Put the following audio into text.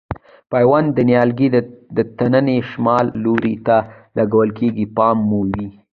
پیوند د نیالګي د تنې شمال لوري ته لګول کېږي پام مو وي.